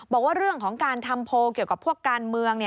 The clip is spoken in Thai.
บอกว่าเรื่องของการทำโพลเกี่ยวกับพวกการเมือง